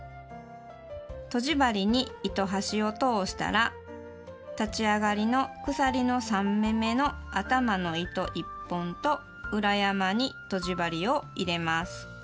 とじ針に糸端を通したら立ち上がりの鎖の３目めの頭の糸１本と裏山にとじ針を入れます。